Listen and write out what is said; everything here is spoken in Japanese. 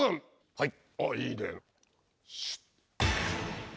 はい。